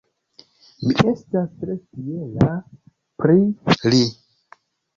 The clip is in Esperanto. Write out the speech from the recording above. Mi estas tre fiera pri li.